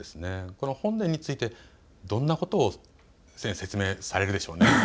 この本殿についてどんなことを説明されるでしょうね。